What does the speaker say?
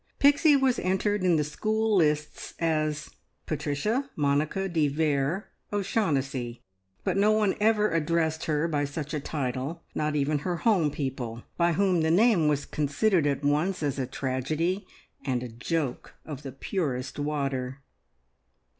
Pixie was entered in the school lists as "Patricia Monica de Vere O'Shaughnessy," but no one ever addressed her by such a title, not even her home people, by whom the name was considered at once as a tragedy and a joke of the purest water.